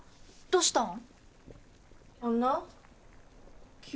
どうしたん？